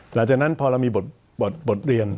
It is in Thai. หลังจากนั้นพอเรามีบทเรียน